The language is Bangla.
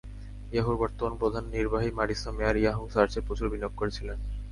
ইয়াহুর বর্তমান প্রধান নির্বাহী মারিসা মেয়ার ইয়াহু সার্চে প্রচুর বিনিয়োগ করেছিলেন।